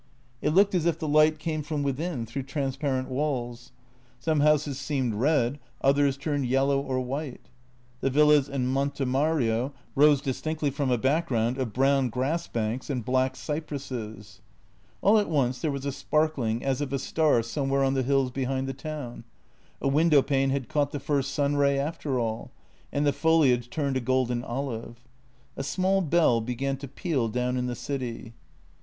It looked as if the light came from within through transparent walls; some houses seemed red, others turned yellow or white. The villas in Monte Mario rose distinctly from a background of brown grassbanks and black cypresses. All at once there was a sparkling as of a star somewhere on the hills behind the town — a window pane had caught the first sunray after all — and the foliage turned a golden olive. A small bell began to peal down in the city.